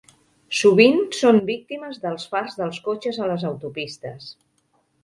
Sovint són víctimes dels fars dels cotxes a les autopistes.